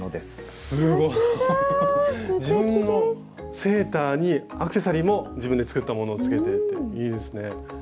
すごい！自分のセーターにアクセサリーも自分で作ったものをつけていていいですね。